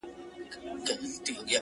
o راسه چي زړه ښه درته خالي كـړمـه ـ